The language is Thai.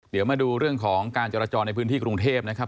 เดี๋ยวมาดูเรื่องของการจราจรในพื้นที่กรุงเทพนะครับ